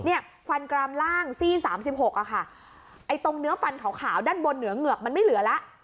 เนี้ยฟันกรามร่างซี่๓๖อะคะไอตรงเนื้อฟันขาวขาวด้านบนเหงือบมันไม่เหลือแล้ว